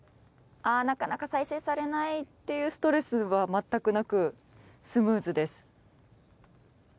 なかなか再生されないというストレスは全くなくスムーズです。